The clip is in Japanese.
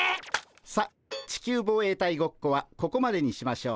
さっ地球防衛隊ごっこはここまでにしましょう。